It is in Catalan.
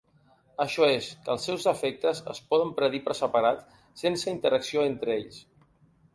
Això és, que els seus efectes es poden predir per separat sense interacció entre ells.